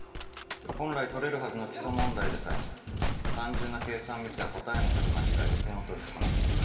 本来取れるはずの基礎問題でさえも単純な計算ミスや答えの書き間違いで点を取り損なっています。